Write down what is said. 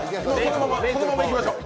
そのままいきましょう。